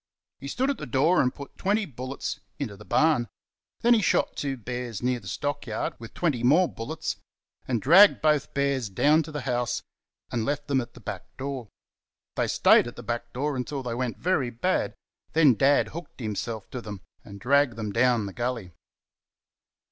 He stood at the door and put twenty bullets into the barn; then he shot two bears near the stock yard with twenty more bullets, and dragged both bears down to the house and left them at the back door. They stayed at the back door until they went very bad; then Dad hooked himself to them and dragged them down the gully.